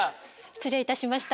失礼いたしました。